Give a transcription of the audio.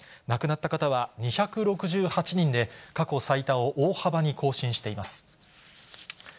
亡くなった方は２６８人で、過去最多を大幅に更新しています。